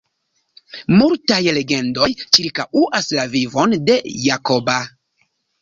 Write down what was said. Multaj legendoj ĉirkaŭas la vivon de Jakoba.